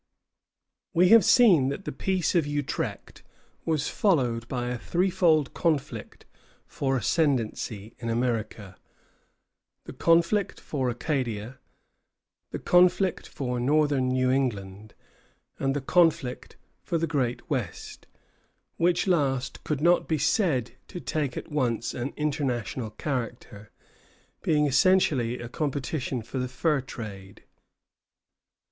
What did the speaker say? We have seen that the Peace of Utrecht was followed by a threefold conflict for ascendency in America, the conflict for Acadia, the conflict for northern New England, and the conflict for the Great West; which last could not be said to take at once an international character, being essentially a competition for the fur trade.